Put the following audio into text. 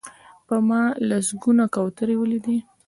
ما په سلګونه کوترې ولیدلې.